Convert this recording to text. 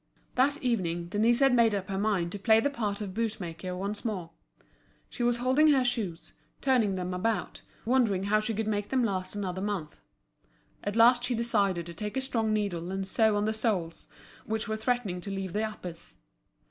This evening, Denise had made up her mind to play the part of bootmaker once more. She was holding her shoes, turning them about, wondering how she could make them last another month. At last she decided to take a strong needle and sew on the soles, which were threatening to leave the uppers.